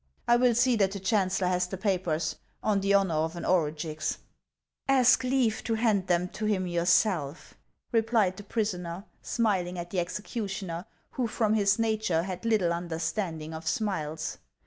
I will see that the chancellor has the papers, on the honor of an Orugix." " Ask leave to hand them to him yourself," replied the prisoner, smiling at the executioner, who, from his nature, had little understanding of smiles.